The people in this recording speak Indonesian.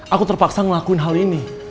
aku terpaksa ngelakuin hal ini